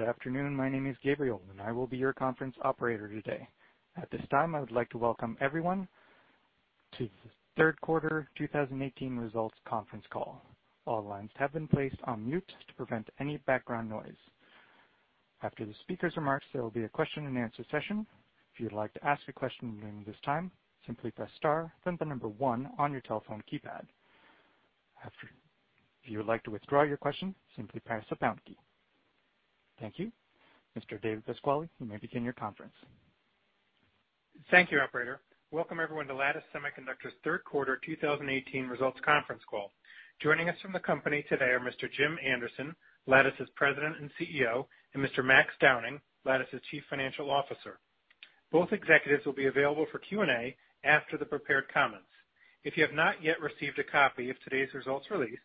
Good afternoon. My name is Gabriel, and I will be your conference operator today. At this time, I would like to welcome everyone to the third quarter 2018 results conference call. All lines have been placed on mute to prevent any background noise. After the speaker's remarks, there will be a question and answer session. If you'd like to ask a question during this time, simply press star, then the number one on your telephone keypad. If you would like to withdraw your question, simply press the pound key. Thank you. Mr. David Pasquale, you may begin your conference. Thank you, operator. Welcome everyone to Lattice Semiconductor's third quarter 2018 results conference call. Joining us from the company today are Mr. Jim Anderson, Lattice's President and CEO, and Mr. Max Downing, Lattice's Chief Financial Officer. Both executives will be available for Q&A after the prepared comments. If you have not yet received a copy of today's results release,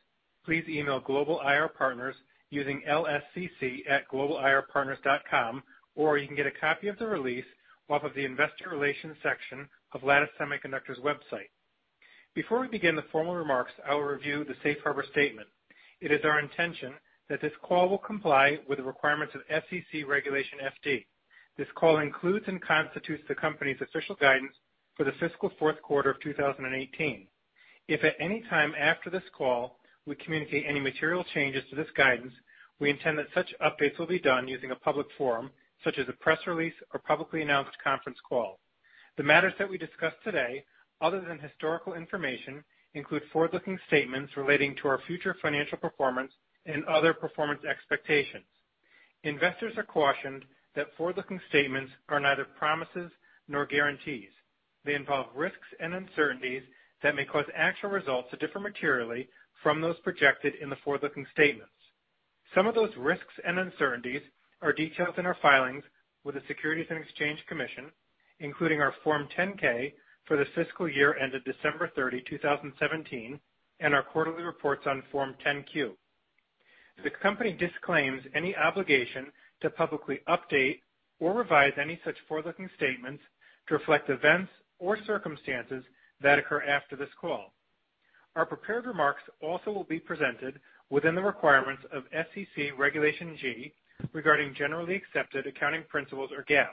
please email Global IR Partners using lscc@globalirpartners.com, or you can get a copy of the release off of the investor relations section of Lattice Semiconductor's website. Before we begin the formal remarks, I will review the safe harbor statement. It is our intention that this call will comply with the requirements of SEC Regulation FD. This call includes and constitutes the company's official guidance for the fiscal fourth quarter of 2018. If at any time after this call, we communicate any material changes to this guidance, we intend that such updates will be done using a public forum such as a press release or publicly announced conference call. The matters that we discuss today, other than historical information, include forward-looking statements relating to our future financial performance and other performance expectations. Investors are cautioned that forward-looking statements are neither promises nor guarantees. They involve risks and uncertainties that may cause actual results to differ materially from those projected in the forward-looking statements. Some of those risks and uncertainties are detailed in our filings with the Securities and Exchange Commission, including our Form 10-K for the fiscal year ended December 30, 2017, and our quarterly reports on Form 10-Q. The company disclaims any obligation to publicly update or revise any such forward-looking statements to reflect events or circumstances that occur after this call. Our prepared remarks also will be presented within the requirements of SEC Regulation G regarding Generally Accepted Accounting Principles or GAAP.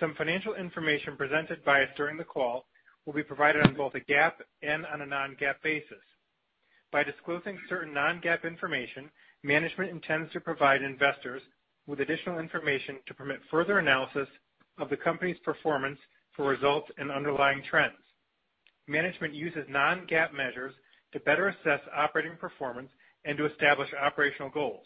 Some financial information presented by us during the call will be provided on both a GAAP and on a non-GAAP basis. By disclosing certain non-GAAP information, management intends to provide investors with additional information to permit further analysis of the company's performance for results and underlying trends. Management uses non-GAAP measures to better assess operating performance and to establish operational goals.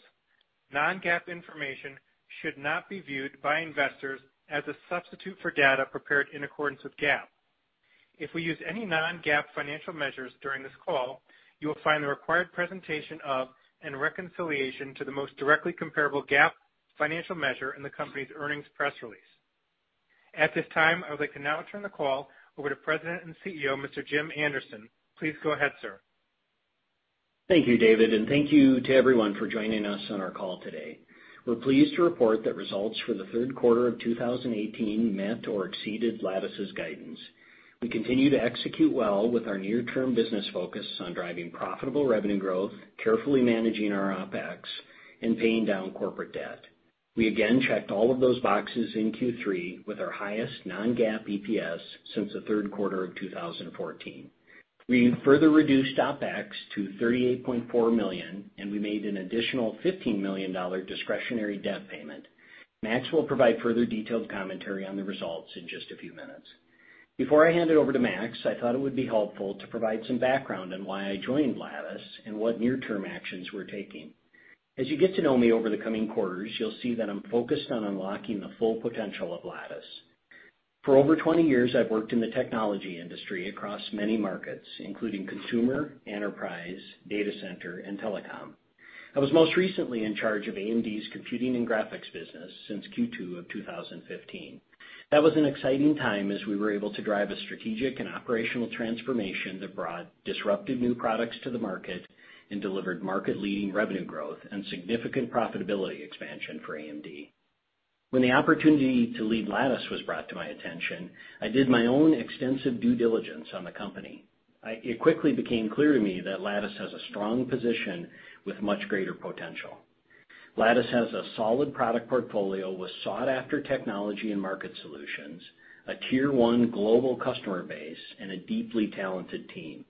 Non-GAAP information should not be viewed by investors as a substitute for data prepared in accordance with GAAP. If we use any non-GAAP financial measures during this call, you will find the required presentation of and reconciliation to the most directly comparable GAAP financial measure in the company's earnings press release. At this time, I would like to now turn the call over to President and CEO, Mr. Jim Anderson. Please go ahead, sir. Thank you, David, and thank you to everyone for joining us on our call today. We are pleased to report that results for the third quarter of 2018 met or exceeded Lattice's guidance. We continue to execute well with our near-term business focus on driving profitable revenue growth, carefully managing our OPEX, and paying down corporate debt. We again checked all of those boxes in Q3 with our highest non-GAAP EPS since the third quarter of 2014. We further reduced OPEX to $38.4 million, and we made an additional $15 million discretionary debt payment. Max will provide further detailed commentary on the results in just a few minutes. Before I hand it over to Max, I thought it would be helpful to provide some background on why I joined Lattice and what near-term actions we are taking. As you get to know me over the coming quarters, you will see that I am focused on unlocking the full potential of Lattice. For over 20 years, I have worked in the technology industry across many markets, including consumer, enterprise, data center, and telecom. I was most recently in charge of AMD's computing and graphics business since Q2 of 2015. That was an exciting time as we were able to drive a strategic and operational transformation that brought disruptive new products to the market and delivered market-leading revenue growth and significant profitability expansion for AMD. When the opportunity to lead Lattice was brought to my attention, I did my own extensive due diligence on the company. It quickly became clear to me that Lattice has a strong position with much greater potential. Lattice has a solid product portfolio with sought-after technology and market solutions, a tier 1 global customer base, and a deeply talented team.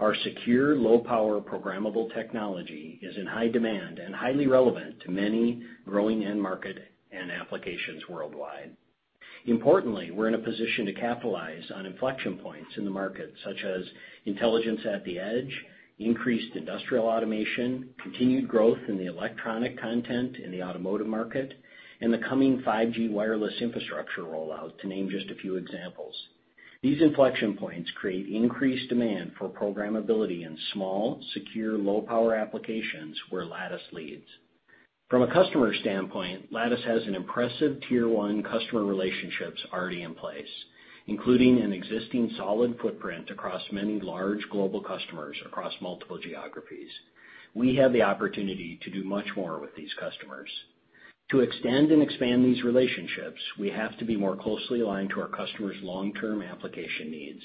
Our secure, low-power programmable technology is in high demand and highly relevant to many growing end market and applications worldwide. Importantly, we are in a position to capitalize on inflection points in the market, such as intelligence at the edge, increased industrial automation, continued growth in the electronic content in the automotive market, and the coming 5G wireless infrastructure rollout, to name just a few examples. These inflection points create increased demand for programmability in small, secure, low-power applications where Lattice leads. From a customer standpoint, Lattice has an impressive tier 1 customer relationships already in place, including an existing solid footprint across many large global customers across multiple geographies. We have the opportunity to do much more with these customers. To extend and expand these relationships, we have to be more closely aligned to our customers' long-term application needs.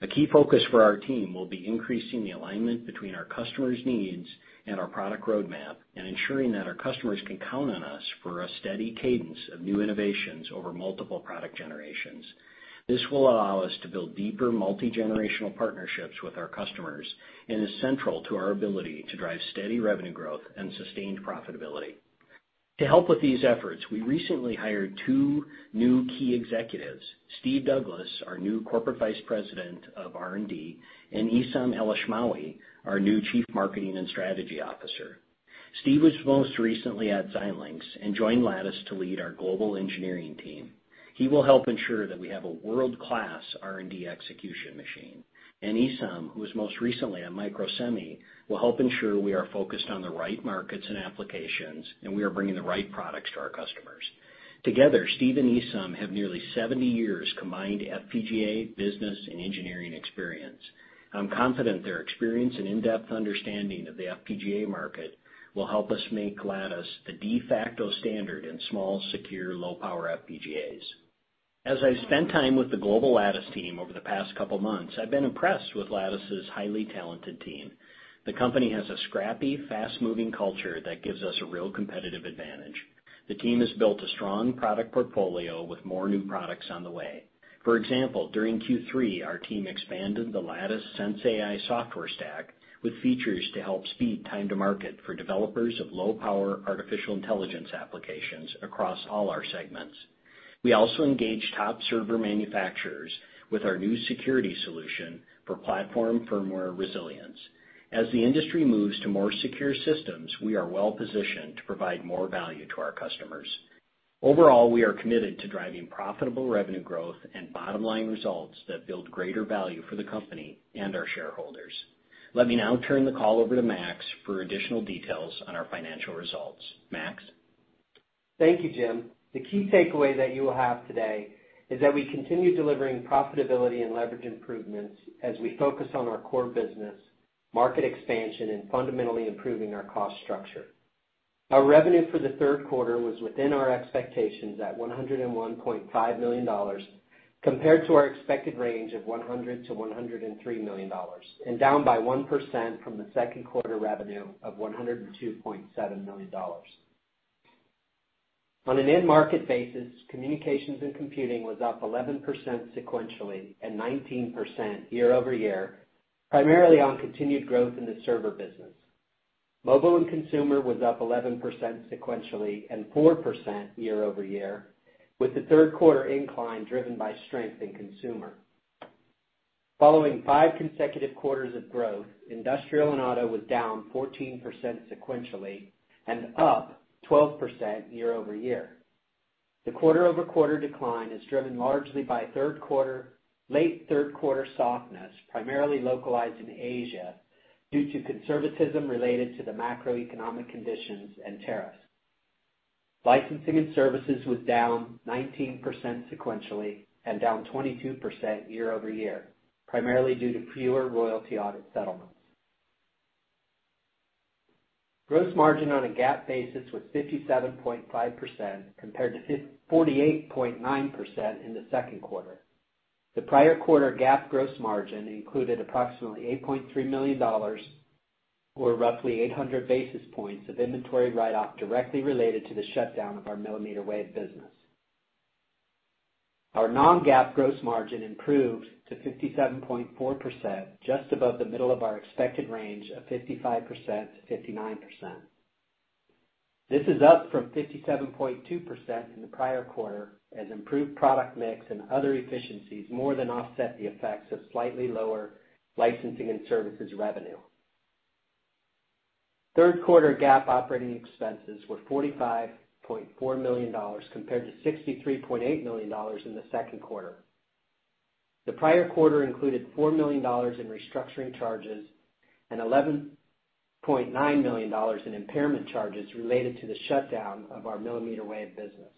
A key focus for our team will be increasing the alignment between our customers' needs and our product roadmap, and ensuring that our customers can count on us for a steady cadence of new innovations over multiple product generations. This will allow us to build deeper multi-generational partnerships with our customers and is central to our ability to drive steady revenue growth and sustained profitability. To help with these efforts, we recently hired two new key executives, Steve Douglass, our new Corporate Vice President of R&D, and Esam Elashmawi, our new Chief Marketing and Strategy Officer. Steve was most recently at Xilinx and joined Lattice to lead our global engineering team. He will help ensure that we have a world-class R&D execution machine, and Esam, who was most recently on Microsemi, will help ensure we are focused on the right markets and applications, and we are bringing the right products to our customers. Together, Steve and Esam have nearly 70 years combined FPGA, business, and engineering experience. I'm confident their experience and in-depth understanding of the FPGA market will help us make Lattice a de facto standard in small, secure, low-power FPGAs. As I've spent time with the global Lattice team over the past couple of months, I've been impressed with Lattice's highly talented team. The company has a scrappy, fast-moving culture that gives us a real competitive advantage. The team has built a strong product portfolio with more new products on the way. For example, during Q3, our team expanded the Lattice sensAI software stack with features to help speed time to market for developers of low-power artificial intelligence applications across all our segments. We also engaged top server manufacturers with our new security solution for platform firmware resilience. As the industry moves to more secure systems, we are well-positioned to provide more value to our customers. Overall, we are committed to driving profitable revenue growth and bottom-line results that build greater value for the company and our shareholders. Let me now turn the call over to Max for additional details on our financial results. Max? Thank you, Jim. The key takeaway that you will have today is that we continue delivering profitability and leverage improvements as we focus on our core business, market expansion, and fundamentally improving our cost structure. Our revenue for the third quarter was within our expectations at $101.5 million, compared to our expected range of $100 million-$103 million, and down by 1% from the second quarter revenue of $102.7 million. On an end market basis, communications and computing was up 11% sequentially and 19% year-over-year, primarily on continued growth in the server business. Mobile and consumer was up 11% sequentially and 4% year-over-year, with the third quarter incline driven by strength in consumer. Following five consecutive quarters of growth, industrial and auto was down 14% sequentially and up 12% year-over-year. The quarter-over-quarter decline is driven largely by late third-quarter softness, primarily localized in Asia, due to conservatism related to the macroeconomic conditions and tariffs. Licensing and services was down 19% sequentially and down 22% year-over-year, primarily due to fewer royalty audit settlements. Gross margin on a GAAP basis was 57.5%, compared to 48.9% in the second quarter. The prior quarter GAAP gross margin included approximately $8.3 million, or roughly 800 basis points of inventory write-off directly related to the shutdown of our millimeter wave business. Our non-GAAP gross margin improved to 57.4%, just above the middle of our expected range of 55%-59%. This is up from 57.2% in the prior quarter as improved product mix and other efficiencies more than offset the effects of slightly lower licensing and services revenue. Third quarter GAAP operating expenses were $45.4 million compared to $63.8 million in the second quarter. The prior quarter included $4 million in restructuring charges and $11.9 million in impairment charges related to the shutdown of our millimeter wave business.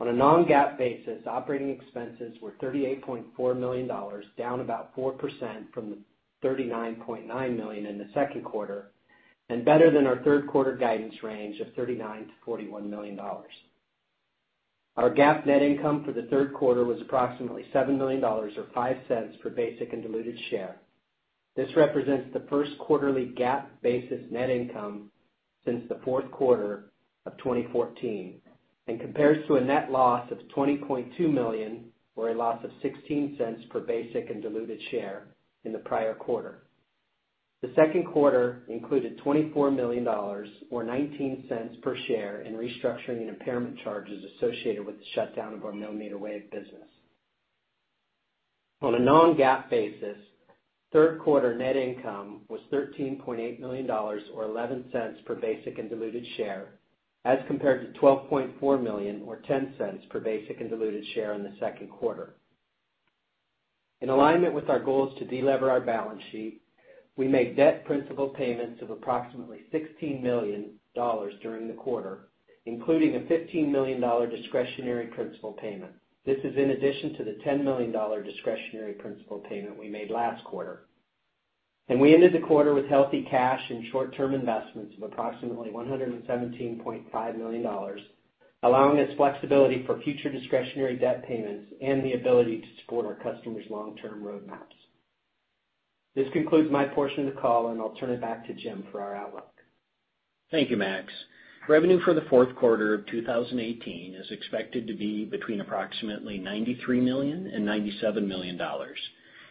On a non-GAAP basis, operating expenses were $38.4 million, down about 4% from the $39.9 million in the second quarter, and better than our third quarter guidance range of $39 million-$41 million. Our GAAP net income for the third quarter was approximately $7 million, or $0.05 per basic and diluted share. This represents the first quarterly GAAP-basis net income since the fourth quarter of 2014 and compares to a net loss of $20.2 million or a loss of $0.16 per basic and diluted share in the prior quarter. The second quarter included $24 million or $0.19 per share in restructuring and impairment charges associated with the shutdown of our millimeter wave business. On a non-GAAP basis, third quarter net income was $13.8 million or $0.11 per basic and diluted share as compared to $12.4 million or $0.10 per basic and diluted share in the second quarter. In alignment with our goals to delever our balance sheet, we made debt principal payments of approximately $16 million during the quarter, including a $15 million discretionary principal payment. This is in addition to the $10 million discretionary principal payment we made last quarter. We ended the quarter with healthy cash and short-term investments of approximately $117.5 million, allowing us flexibility for future discretionary debt payments and the ability to support our customers' long-term roadmaps. This concludes my portion of the call, and I'll turn it back to Jim for our outlook. Thank you, Max. Revenue for the fourth quarter of 2018 is expected to be between approximately $93 million and $97 million.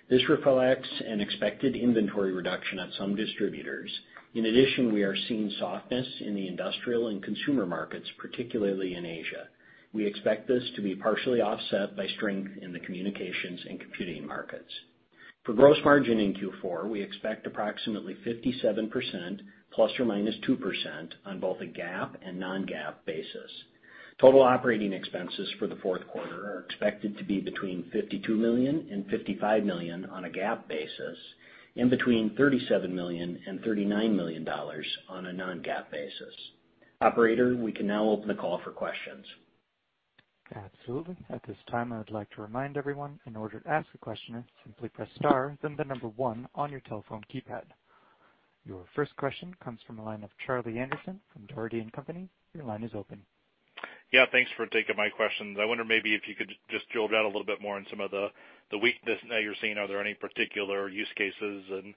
This reflects an expected inventory reduction at some distributors. In addition, we are seeing softness in the industrial and consumer markets, particularly in Asia. We expect this to be partially offset by strength in the communications and computing markets. For gross margin in Q4, we expect approximately 57% ±2%, on both a GAAP and non-GAAP basis. Total operating expenses for the fourth quarter are expected to be between $52 million and $55 million on a GAAP basis and between $37 million and $39 million on a non-GAAP basis. Operator, we can now open the call for questions. Absolutely. At this time, I would like to remind everyone, in order to ask a question, simply press star then the number one on your telephone keypad. Your first question comes from the line of Charlie Anderson from Dougherty & Company. Your line is open. Yeah, thanks for taking my questions. I wonder maybe if you could just drill down a little bit more on some of the weakness that you're seeing. Are there any particular use cases and,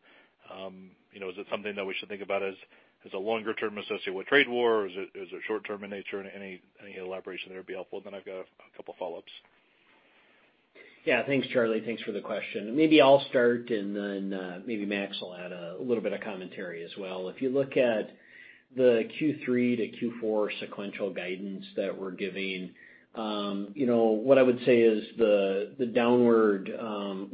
is it something that we should think about as a longer term associated with trade war, or is it short-term in nature? Any elaboration there would be helpful. I've got a couple follow-ups. Yeah. Thanks, Charlie. Thanks for the question. Maybe I'll start, then maybe Max will add a little bit of commentary as well. If you look at the Q3 to Q4 sequential guidance that we're giving, what I would say is the downward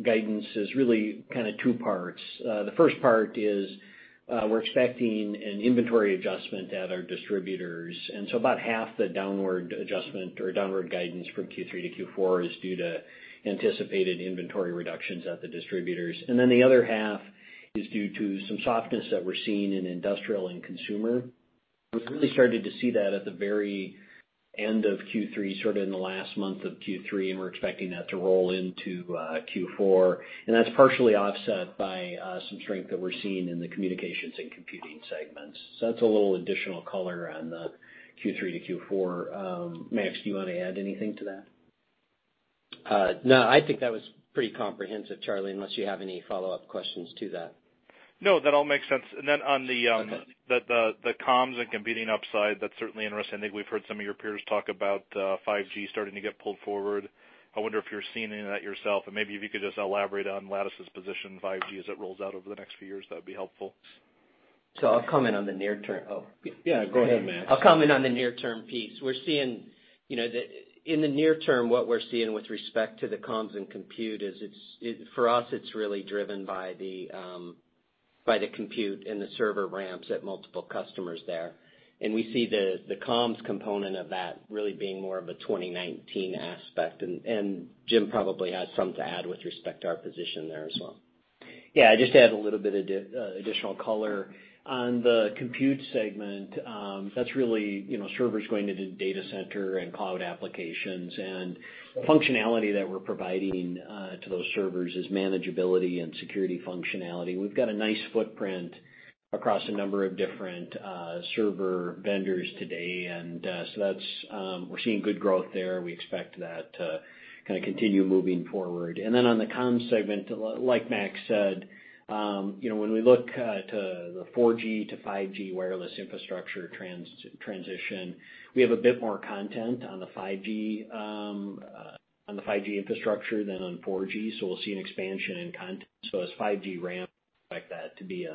guidance is really kind of two parts. The first part is we're expecting an inventory adjustment at our distributors, so about half the downward adjustment or downward guidance from Q3 to Q4 is due to anticipated inventory reductions at the distributors. The other half is due to some softness that we're seeing in industrial and consumer. We've really started to see that at the very end of Q3, sort of in the last month of Q3, and we're expecting that to roll into Q4. That's partially offset by some strength that we're seeing in the communications and computing segments. That's a little additional color on the Q3 to Q4. Max, do you want to add anything to that? No, I think that was pretty comprehensive, Charlie, unless you have any follow-up questions to that. No, that all makes sense. Okay. On the comms and computing upside, that's certainly interesting. I think we've heard some of your peers talk about 5G starting to get pulled forward. I wonder if you're seeing any of that yourself, and maybe if you could just elaborate on Lattice's position in 5G as it rolls out over the next few years, that would be helpful. I'll comment on the near term. Yeah, go ahead, Max. I'll comment on the near-term piece. In the near term, what we're seeing with respect to the comms and compute is, for us, it's really driven by the compute and the server ramps at multiple customers there. We see the comms component of that really being more of a 2019 aspect. Jim probably has something to add with respect to our position there as well. Yeah, just to add a little bit of additional color. On the compute segment, that's really servers going into data center and cloud applications, and functionality that we're providing to those servers is manageability and security functionality. We've got a nice footprint across a number of different server vendors today, so we're seeing good growth there. We expect that to kind of continue moving forward. Then on the comms segment, like Max said, when we look to the 4G to 5G wireless infrastructure transition, we have a bit more content on the 5G infrastructure than on 4G, we'll see an expansion in content. As 5G ramps, expect that to be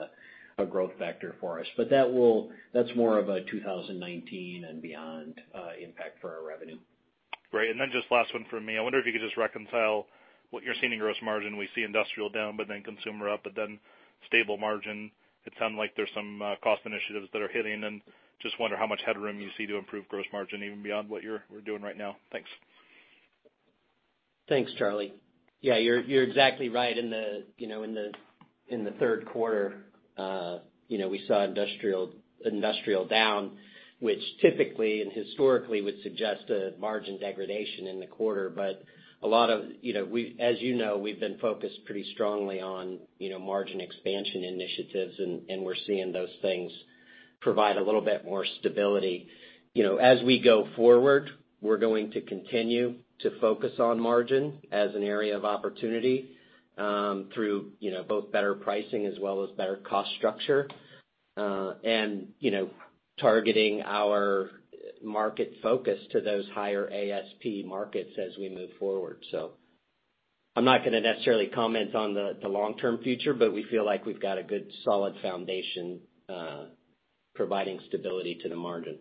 a growth factor for us. That's more of a 2019 and beyond impact for our revenue. Great. Just last one from me. I wonder if you could just reconcile what you're seeing in gross margin. We see industrial down, but then consumer up, but stable margin. It sounds like there's some cost initiatives that are hitting, and just wonder how much headroom you see to improve gross margin even beyond what you're doing right now. Thanks. Thanks, Charlie. You're exactly right. In the third quarter, we saw industrial down, which typically and historically would suggest a margin degradation in the quarter. As you know, we've been focused pretty strongly on margin expansion initiatives, and we're seeing those things provide a little bit more stability. We go forward, we're going to continue to focus on margin as an area of opportunity, through both better pricing as well as better cost structure, and targeting our market focus to those higher ASP markets as we move forward. I'm not going to necessarily comment on the long-term future, but we feel like we've got a good, solid foundation providing stability to the margin.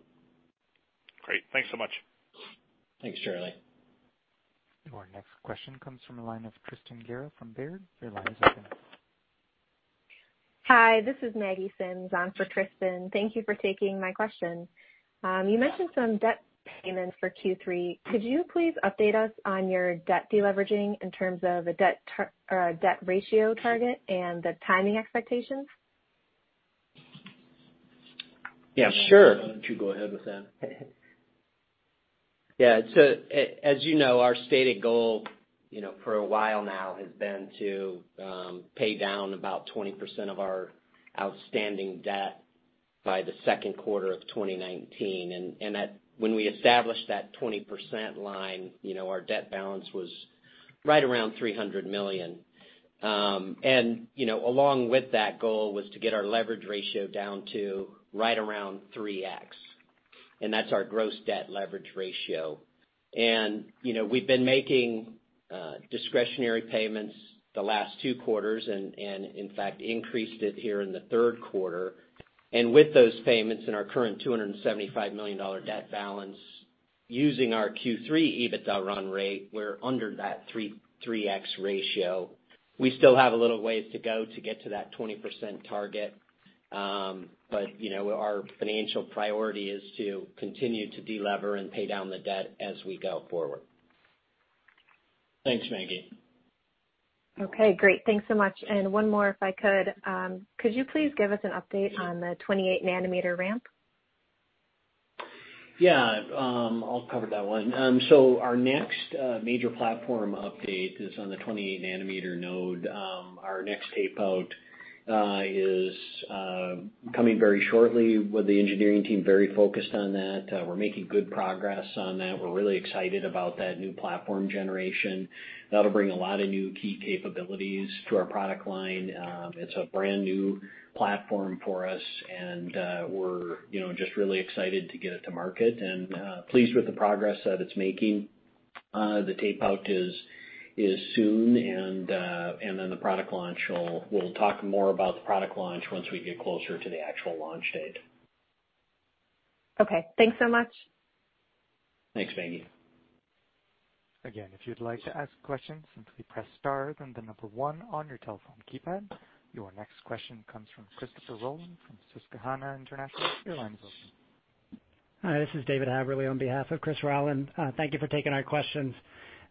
Great. Thanks so much. Thanks, Charlie. Your next question comes from the line of Tristan Gerra from Baird. Your line is open. Hi, this is Maggie Sims on for Tristan. Thank you for taking my question. You mentioned some debt payments for Q3. Could you please update us on your debt de-leveraging in terms of a debt ratio target and the timing expectations? Yeah, sure. Why don't you go ahead with that? Yeah. As you know, our stated goal for a while now has been to pay down about 20% of our outstanding debt by the second quarter of 2019. When we established that 20% line, our debt balance was right around $300 million. Along with that goal was to get our leverage ratio down to right around 3x, and that's our gross debt leverage ratio. We've been making discretionary payments the last two quarters and in fact increased it here in the third quarter. With those payments in our current $275 million debt balance using our Q3 EBITDA run rate, we're under that 3x ratio. We still have a little ways to go to get to that 20% target. Our financial priority is to continue to de-lever and pay down the debt as we go forward. Thanks, Maggie. Okay, great. Thanks so much. One more, if I could. Could you please give us an update on the 28 nanometer ramp? Yeah. I'll cover that one. Our next major platform update is on the 28 nanometer node. Our next tape out is coming very shortly with the engineering team very focused on that. We're making good progress on that. We're really excited about that new platform generation. That'll bring a lot of new key capabilities to our product line. It's a brand new platform for us and we're just really excited to get it to market and pleased with the progress that it's making. The tape out is soon, and then the product launch. We'll talk more about the product launch once we get closer to the actual launch date. Okay. Thanks so much. Thanks, Maggie. Again, if you'd like to ask questions, simply press star, then the number 1 on your telephone keypad. Your next question comes from Christopher Rolland from Susquehanna International. Your line's open. Hi, this is David Haverly on behalf of Christopher Rolland. Thank you for taking our questions.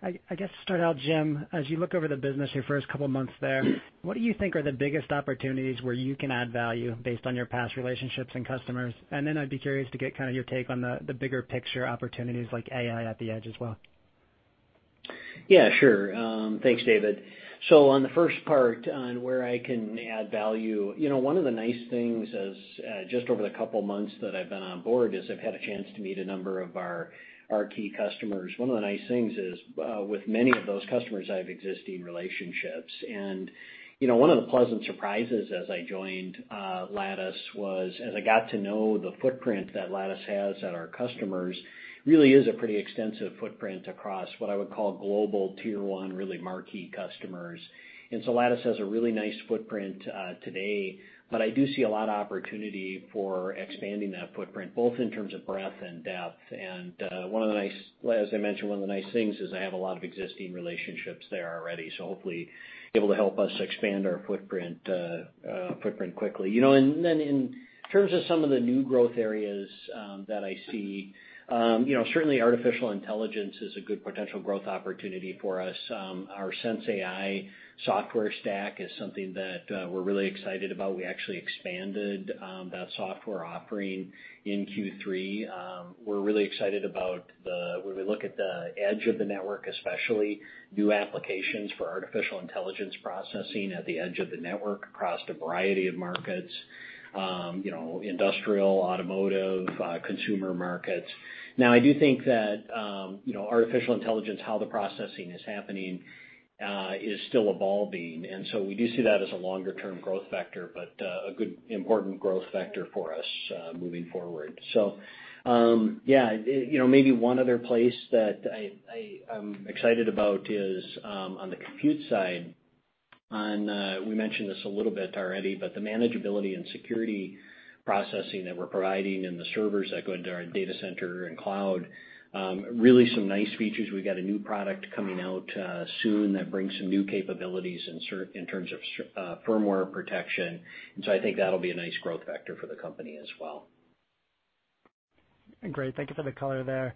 I guess to start out, Jim, as you look over the business your first couple of months there, what do you think are the biggest opportunities where you can add value based on your past relationships and customers? Then I'd be curious to get kind of your take on the bigger picture opportunities like AI at the edge as well. Yeah, sure. Thanks, David. On the first part on where I can add value, one of the nice things is, just over the couple of months that I've been on board, is I've had a chance to meet a number of our key customers. One of the nice things is, with many of those customers, I have existing relationships. One of the pleasant surprises as I joined Lattice was as I got to know the footprint that Lattice has at our customers, really is a pretty extensive footprint across what I would call global tier 1, really marquee customers. Lattice has a really nice footprint today. I do see a lot of opportunity for expanding that footprint, both in terms of breadth and depth. As I mentioned, one of the nice things is I have a lot of existing relationships there already. Hopefully able to help us expand our footprint quickly. In terms of some of the new growth areas that I see, certainly artificial intelligence is a good potential growth opportunity for us. Our sensAI software stack is something that we're really excited about. We actually expanded that software offering in Q3. We're really excited about the, when we look at the edge of the network, especially new applications for artificial intelligence processing at the edge of the network across a variety of markets. Industrial, automotive, consumer markets. Now, I do think that artificial intelligence, how the processing is happening, is still evolving, we do see that as a longer-term growth vector, a good, important growth vector for us moving forward. Maybe one other place that I'm excited about is on the compute side on, we mentioned this a little bit already, but the manageability and security processing that we're providing and the servers that go into our data center and cloud, really some nice features. We've got a new product coming out soon that brings some new capabilities in terms of firmware protection. I think that'll be a nice growth vector for the company as well. Great. Thank you for the color there.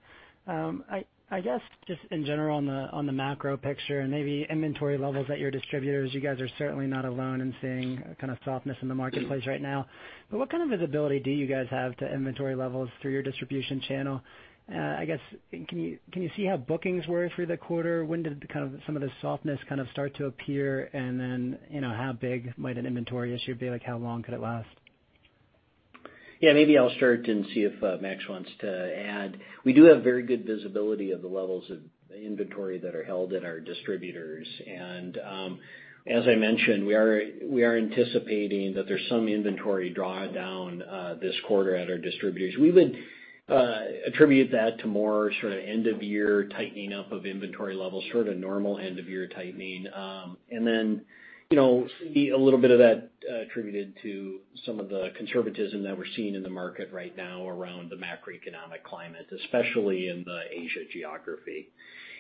I guess, just in general on the macro picture and maybe inventory levels at your distributors, you guys are certainly not alone in seeing kind of softness in the marketplace right now. What kind of visibility do you guys have to inventory levels through your distribution channel? I guess, can you see how bookings were for the quarter? When did kind of some of the softness kind of start to appear? How big might an inventory issue be? How long could it last? Maybe I'll start and see if Max wants to add. We do have very good visibility of the levels of inventory that are held at our distributors, and as I mentioned, we are anticipating that there's some inventory draw down this quarter at our distributors. We would attribute that to more sort of end of year tightening up of inventory levels, sort of normal end of year tightening. Then see a little bit of that attributed to some of the conservatism that we're seeing in the market right now around the macroeconomic climate, especially in the Asia geography.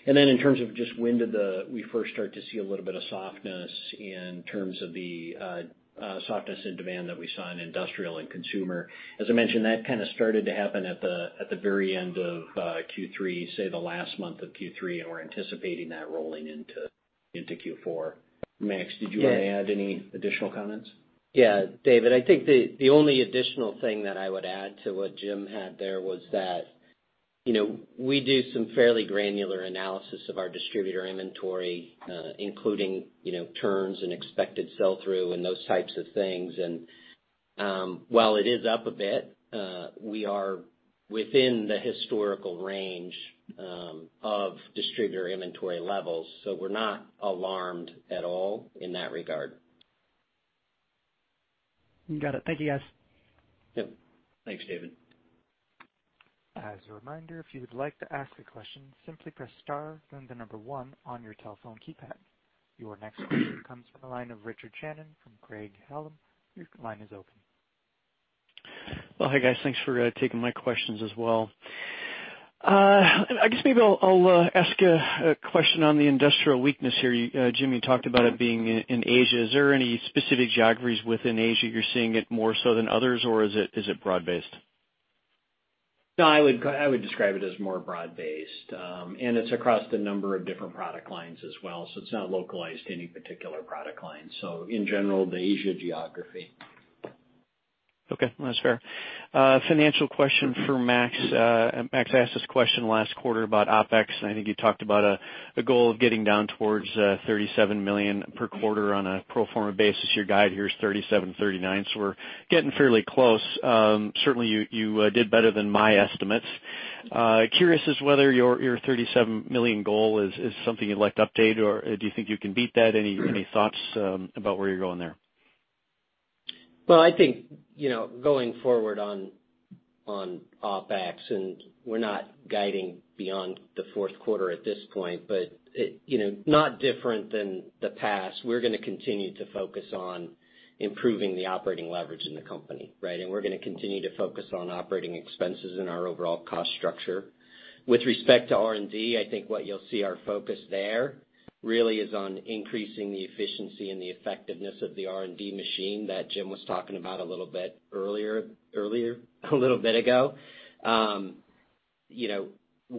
Then in terms of just when did we first start to see a little bit of softness in terms of the softness in demand that we saw in industrial and consumer. As I mentioned, that kind of started to happen at the very end of Q3, say the last month of Q3, and we're anticipating that rolling into Q4. Max, did you want to add any additional comments? David, I think the only additional thing that I would add to what Jim had there was that we do some fairly granular analysis of our distributor inventory, including terms and expected sell-through and those types of things. While it is up a bit, we are within the historical range of distributor inventory levels, so we're not alarmed at all in that regard. Got it. Thank you, guys. Yep. Thanks, David. As a reminder, if you would like to ask a question, simply press star, then the number 1 on your telephone keypad. Your next question comes from the line of Richard Shannon from Craig-Hallum. Your line is open. Well, hi guys. Thanks for taking my questions as well. I guess maybe I'll ask you a question on the industrial weakness here. Jim, you talked about it being in Asia. Is there any specific geographies within Asia you're seeing it more so than others, or is it broad based? No, I would describe it as more broad based. It's across the number of different product lines as well. It's not localized to any particular product line. In general, the Asia geography. Okay. No, that's fair. A financial question for Max. Max, I asked this question last quarter about OPEX, and I think you talked about a goal of getting down towards $37 million per quarter on a pro forma basis. Your guide here is $37 million-$39 million, so we're getting fairly close. Certainly, you did better than my estimates. Curious as to whether your $37 million goal is something you'd like to update, or do you think you can beat that? Any thoughts about where you're going there? I think, going forward on OPEX, we're not guiding beyond the fourth quarter at this point, not different than the past. We're going to continue to focus on improving the operating leverage in the company, right? We're going to continue to focus on operating expenses in our overall cost structure. With respect to R&D, I think what you'll see our focus there really is on increasing the efficiency and the effectiveness of the R&D machine that Jim was talking about a little bit earlier, a little bit ago,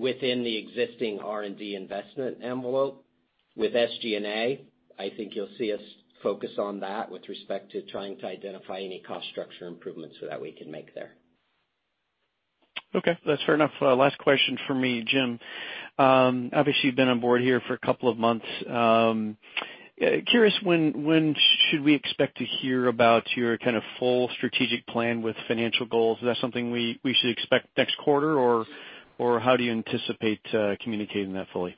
within the existing R&D investment envelope. With SG&A, I think you'll see us focus on that with respect to trying to identify any cost structure improvements so that we can make there. Okay, that's fair enough. Last question from me, Jim. Obviously, you've been on board here for a couple of months. Curious, when should we expect to hear about your kind of full strategic plan with financial goals? Is that something we should expect next quarter or how do you anticipate communicating that fully?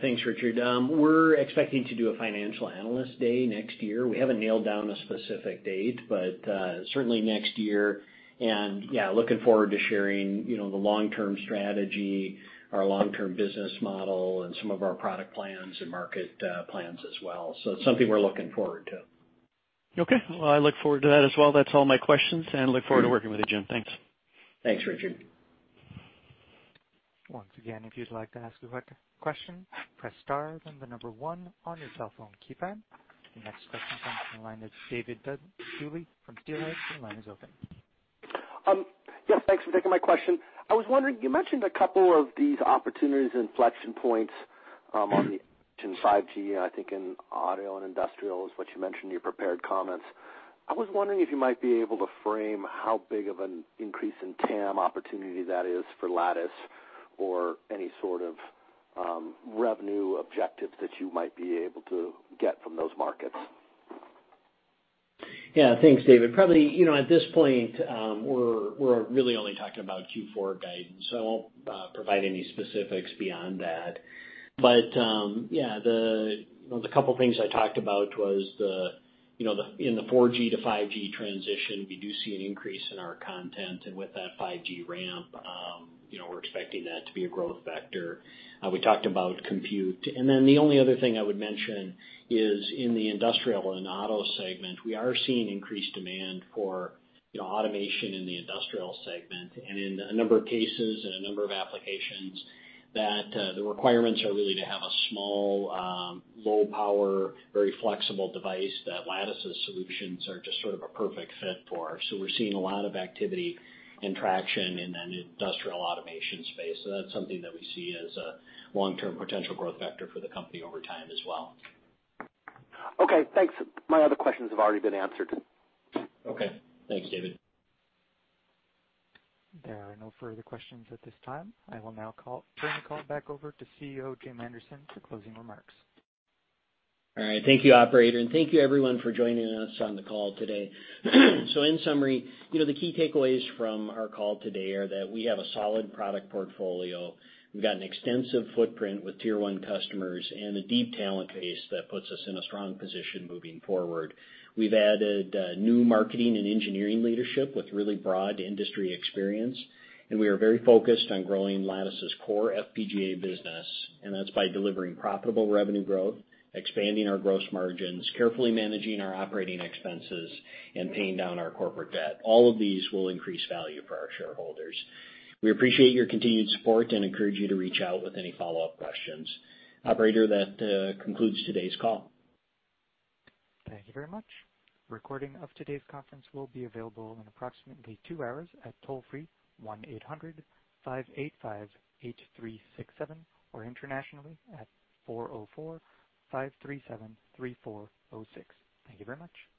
Thanks, Richard. We're expecting to do a financial analyst day next year. We haven't nailed down a specific date, certainly next year. Looking forward to sharing the long-term strategy, our long-term business model, and some of our product plans and market plans as well. It's something we're looking forward to. Okay. Well, I look forward to that as well. That's all my questions, and look forward to working with you, Jim. Thanks. Thanks, Richard. Once again, if you'd like to ask a question, press star, then the number one on your telephone keypad. The next question comes from the line of David Duley from Steelhead. Your line is open. Yeah, thanks for taking my question. I was wondering, you mentioned a couple of these opportunities and inflection points on the 5G, I think in auto and industrial is what you mentioned in your prepared comments. I was wondering if you might be able to frame how big of an increase in TAM opportunity that is for Lattice or any sort of revenue objectives that you might be able to get from those markets. Yeah, thanks, David. Probably, at this point, we're really only talking about Q4 guidance, so I won't provide any specifics beyond that. Yeah, the couple things I talked about was in the 4G to 5G transition, we do see an increase in our content, and with that 5G ramp, we're expecting that to be a growth vector. We talked about compute. The only other thing I would mention is in the industrial and auto segment, we are seeing increased demand for automation in the industrial segment. In a number of cases and a number of applications, that the requirements are really to have a small, low power, very flexible device that Lattice's solutions are just sort of a perfect fit for. We're seeing a lot of activity and traction in the industrial automation space. That's something that we see as a long-term potential growth vector for the company over time as well. Okay, thanks. My other questions have already been answered. Okay. Thanks, David. There are no further questions at this time. I will now turn the call back over to CEO, Jim Anderson, for closing remarks. All right. Thank you, operator, and thank you everyone for joining us on the call today. In summary, the key takeaways from our call today are that we have a solid product portfolio. We've got an extensive footprint with tier 1 customers and a deep talent base that puts us in a strong position moving forward. We've added new marketing and engineering leadership with really broad industry experience, and we are very focused on growing Lattice's core FPGA business. That's by delivering profitable revenue growth, expanding our gross margins, carefully managing our operating expenses, and paying down our corporate debt. All of these will increase value for our shareholders. We appreciate your continued support and encourage you to reach out with any follow-up questions. Operator, that concludes today's call. Thank you very much. A recording of today's conference will be available in approximately two hours at toll-free 1-800-585-8367, or internationally at 404-537-3406. Thank you very much.